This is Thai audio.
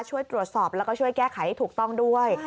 ช่วยตรวจสอบแล้วก็ช่วยแก้ไขให้ถูกต้องด้วย